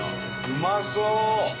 うまそう！